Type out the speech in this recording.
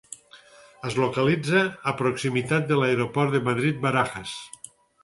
Es localitza a proximitat de l'Aeroport de Madrid-Barajas.